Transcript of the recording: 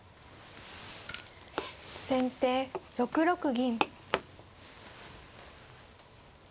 先手６六銀。